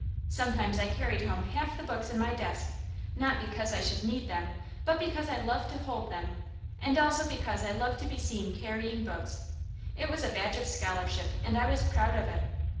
Sometimes I carried home half the books in my desk, not because I should need them, but because I loved to hold them; and also because I loved to be seen carrying books. It was a badge of scholarship, and I was proud of it.